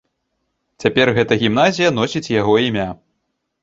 Цяпер гэта гімназія носіць яго імя.